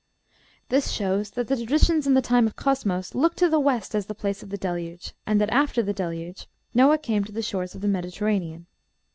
This shows that the traditions in the time of Cosmos looked to the west as the place of the Deluge, and that after the Deluge Noah came to the shores of the Mediterranean.